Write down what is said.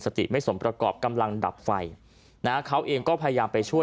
ไม่สมประกอบกำลังดับไฟนะฮะเขาเองก็พยายามไปช่วย